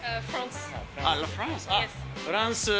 フランス？